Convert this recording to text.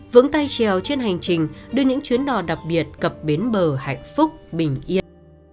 vững tay trèo trên hành trình đưa những chuyến đò đặc biệt cập bến bờ hạnh phúc bình yên